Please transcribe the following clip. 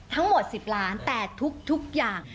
ทั้งหมด๑๐ล้านแต่ทุกอย่าง